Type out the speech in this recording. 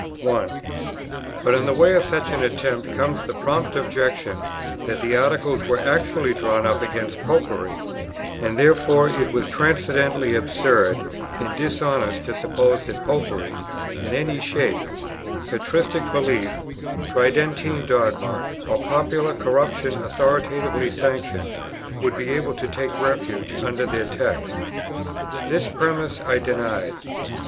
1. But in the way of such an attempt comes the prompt objection that the Articles were actually drawn up against "Popery," and therefore it was transcendently absurd and dishonest to suppose that Popery, in any shape, patristic belief, Tridentine dogma, or popular corruption authoritatively sanctioned, would be able to take refuge under their text. This premiss I denied.